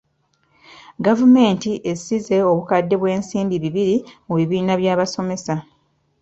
Gavumenti esize obukadde bw'ensimbi bibiri mu bibiina by'abasomesa.